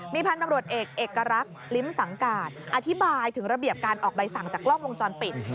พันธุ์ตำรวจเอกเอกรักษ์ลิ้มสังการอธิบายถึงระเบียบการออกใบสั่งจากกล้องวงจรปิด